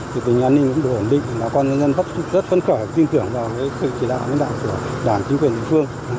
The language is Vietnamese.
thì tình hình an ninh cũng được ổn định